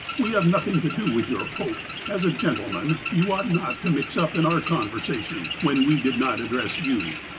We have nothing to do with your Pope. As a gentleman, you ought not to mix up in our conversation, when we did not address you."